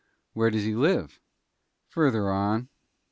"Where does he live?" "Further on."